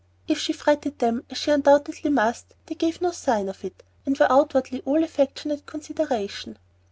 If she fretted them, as she undoubtedly must, they gave no sign of it, and were outwardly all affectionate consideration.